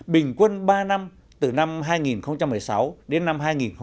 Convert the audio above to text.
bình quân ba năm từ năm hai nghìn một mươi sáu đến năm hai nghìn một mươi tám